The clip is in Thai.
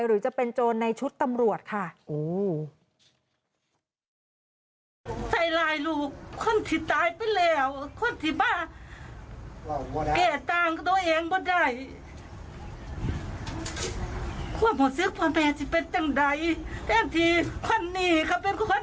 หรือจะเป็นโจรในชุดตำรวจค่ะ